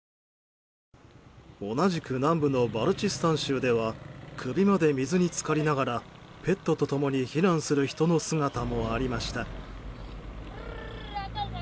同じく南部のバルチスタン州では首まで水に浸かりながらペットとともに避難する人の姿もありました。